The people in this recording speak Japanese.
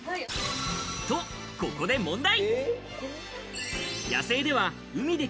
とここで問題。